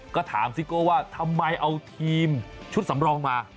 ก็ถามซิโก้ว่าทำไมเอาทีมชุดสำรองมา